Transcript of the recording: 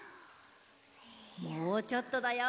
もうちょっとだよ。